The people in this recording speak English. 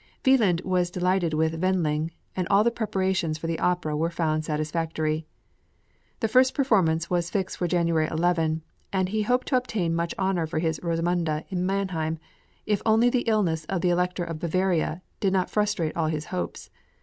Wieland was delighted with Wendling, and all the preparations for the opera were found satisfactory. The first performance was fixed for January 11, and he hoped to obtain much honour for his "Rosamunde" in Mannheim, if only the illness of the Elector of Bavaria did not frustrate all his hopes.